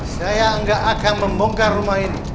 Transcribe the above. saya nggak akan membongkar rumah ini